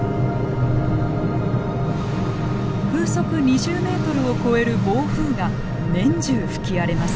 風速２０メートルを超える暴風が年中吹き荒れます。